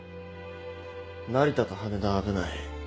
成田と羽田は危ない。